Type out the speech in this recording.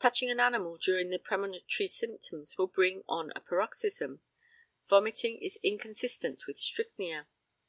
Touching an animal during the premonitory symptoms will bring on a paroxysm. Vomiting is inconsistent with strychnia.